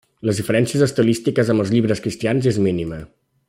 Les diferències estilístiques amb els llibres cristians és mínima.